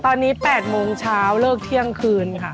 ตอนนี้๘โมงเช้าเลิกเที่ยงคืนค่ะ